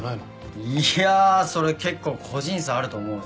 いやそれ結構個人差あると思うぞ。